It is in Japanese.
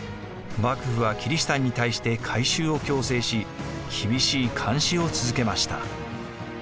幕府はキリシタンに対して改宗を強制し厳しい監視を続けました。